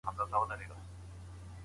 د لاس لیکنه د زده کوونکي هڅي ثابتوي.